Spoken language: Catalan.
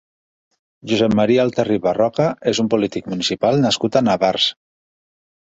Josep Maria Altarriba Roca és un polític municipal nascut a Navars.